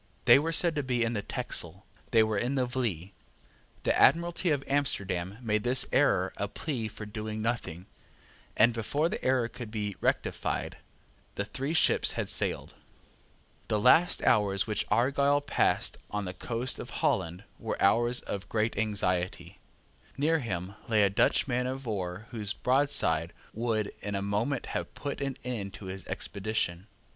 They were said to be in the Texel. They were in the Vlie. The Admiralty of Amsterdam made this error a plea for doing nothing; and, before the error could be rectified, the three ships had sailed. The last hours which Argyle passed on the coast of Holland were hours of great anxiety. Near him lay a Dutch man of war whose broadside would in a moment have put an end to his expedition.